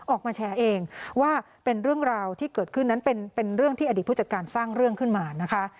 ออกมาแชร์เองว่าเป็นเรื่องราวที่เกิดขึ้นนั้นเป็นเรื่องที่อดีตผู้จัดการสร้างเรื่องขึ้นมานะคะ